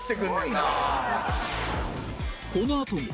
このあとも